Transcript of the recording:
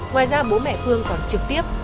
ngoài ra bố mẹ phương còn trực tiếp